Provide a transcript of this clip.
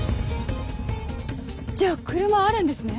じゃあ車あるんですね？